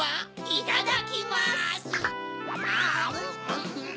いただきます。